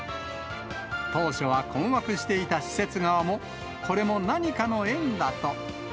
当初は困惑していた施設側もこれも何かの縁だと。